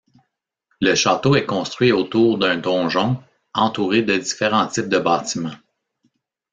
Le château est construit autour d’un donjon entouré de différents types de bâtiments.